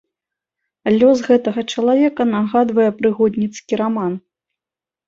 Лёс гэтага чалавека нагадвае прыгодніцкі раман.